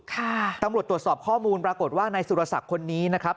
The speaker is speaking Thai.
ค่ะตำรวจตรวจสอบข้อมูลปรากฏว่าในสุรษะคนนี้นะครับ